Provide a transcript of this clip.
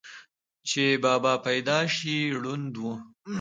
چې بابا پېدائشي ړوند وو،